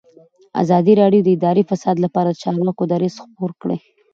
ازادي راډیو د اداري فساد لپاره د چارواکو دریځ خپور کړی.